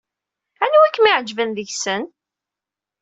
Anwa ay kem-iɛejben deg-sen?